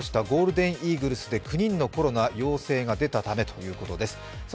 ゴールデンイーグルスで９人のコロナ陽性が出たためということです。